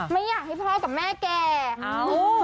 ไม่อยากให้พ่อกับแม่แก่